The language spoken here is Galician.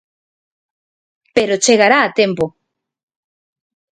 Pero chegará a tempo.